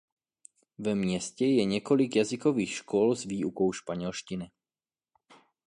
Ve městě je několik jazykových škol s výukou španělštiny.